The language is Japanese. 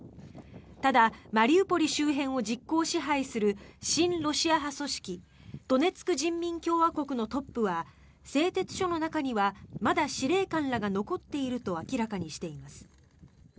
ただ、マリウポリ周辺を実効支配する親ロシア派組織ドネツク人民共和国のトップは製鉄所の中にはまだ司令官らが残っていると明らかにしています。